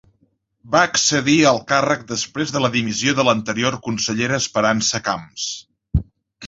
Va accedir al càrrec després de la dimissió de l'anterior consellera Esperança Camps.